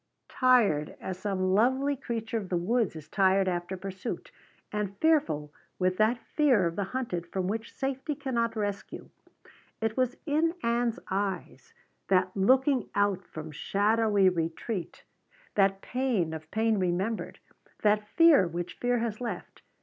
Tired as some lovely creature of the woods is tired after pursuit, and fearful with that fear of the hunted from which safety cannot rescue. It was in Ann's eyes that looking out from shadowy retreat, that pain of pain remembered, that fear which fear has left.